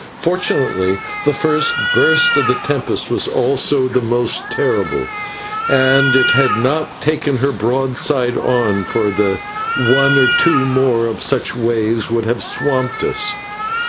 Fortunately the first burst of the tempest was also the most terrible, and it had not taken her broadside on, for one or two more such waves would have swamped us.